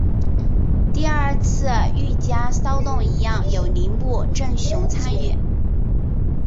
第二次御家骚动一样有铃木正雄参与。